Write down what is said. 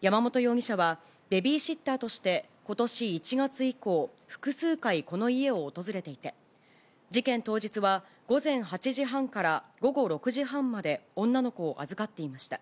山本容疑者はベビーシッターとしてことし１月以降、複数回、この家を訪れていて、事件当日は、午前８時半から午後６時半まで女の子を預かっていました。